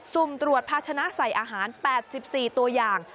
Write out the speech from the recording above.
สุ่มตรวจภาชนะใส่อาหาร๘๔ตัวอย่าง